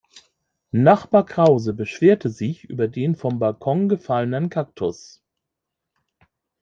Nachbar Krause beschwerte sich über den vom Balkon gefallenen Kaktus.